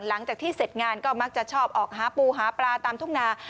หลังจากที่เสร็จงานก็มักจะชอบออกหาปูหาปลาตามทุ่งนา